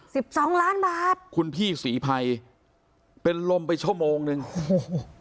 สิบสองล้านบาทคุณพี่ศรีภัยเป็นลมไปชั่วโมงหนึ่งโอ้โห